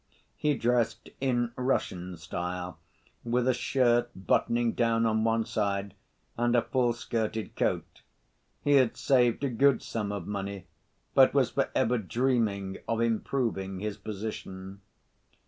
He dressed in Russian style, with a shirt buttoning down on one side, and a full‐skirted coat. He had saved a good sum of money, but was for ever dreaming of improving his position.